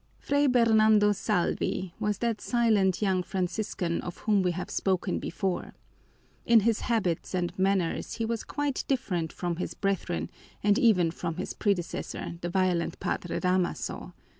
Fray Bernardo Salvi was that silent young Franciscan of whom we have spoken before. In his habits and manners he was quite different from his brethren and even from his predecessor, the violent Padre Damaso.